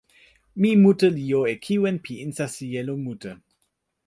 mi mute li jo e kiwen pi insa sijelo mute.